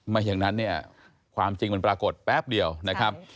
อย่างนั้นเนี่ยความจริงมันปรากฏแป๊บเดียวนะครับ